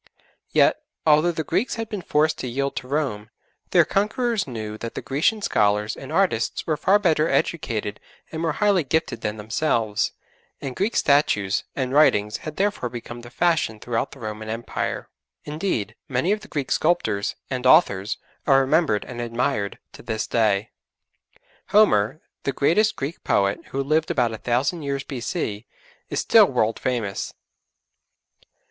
Yet, although the Greeks had been forced to yield to Rome, their conquerors knew that the Grecian scholars and artists were far better educated and more highly gifted than themselves, and Greek statues and writings had therefore become the fashion throughout the Roman Empire. Indeed, many of the Greek sculptors and authors are remembered and admired to this day. Homer, the greatest Greek poet, who lived about a thousand years B.C., is still world famous.